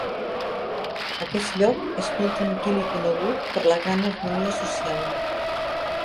Aquest lloc és molt tranquil i conegut per la gran harmonia social.